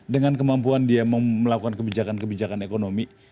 dengan kemampuan dia melakukan kebijakan kebijakan ekonomi